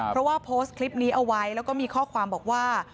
เพราะว่าโพสต์คลิปนี้เอาไว้แล้วก็มีข้อความบอกว่า